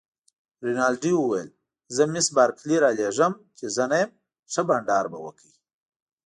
رینالډي وویل: زه مس بارکلي رالېږم، چي زه نه یم، ښه بانډار به وکړئ.